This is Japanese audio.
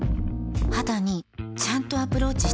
肌にちゃんとアプローチしてる感覚